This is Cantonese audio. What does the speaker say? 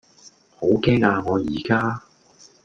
好驚呀我宜家